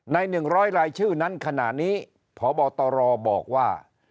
ในหนึ่งร้อยรายชื่อนั้นขณะนี้พบตรบอกว่า